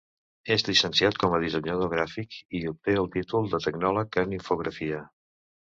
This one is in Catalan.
És llicenciat com a dissenyador gràfic i obté el títol de tecnòleg en infografia.